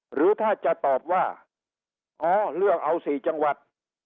หรือถ้าจะตอบว่าอ๋อเลือกเอา๔จังหวัด